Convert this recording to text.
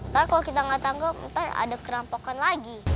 ntar kalau kita gak tangkap ntar ada kerampokan lagi